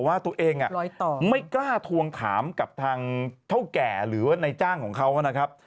ว่าตัวเองไม่กล้าทวงถามกับทางเท่าแก่หรือว่าในจ้างของเขานะครับ